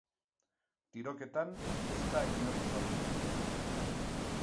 Tiroketan ez da inor zauritu.